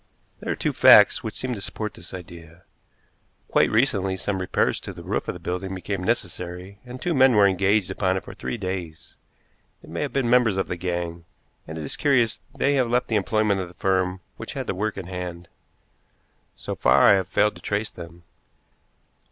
There are two facts which seem to support this idea. Quite recently some repairs to the roof of the building became necessary, and two men were engaged upon it for three days. They may have been members of the gang, and it is curious they have left the employment of the firm which had the work in hand. So far I have failed to trace them.